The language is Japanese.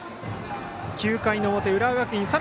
９回の表、浦和学院